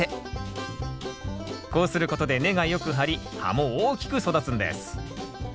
こうすることで根がよく張り葉も大きく育つんです。